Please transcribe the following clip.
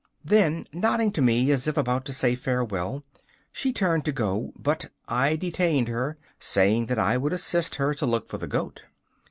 Then nodding to me as if about to say farewell, she turned to go, but I detained her, saying that I would assist her to look for the goat.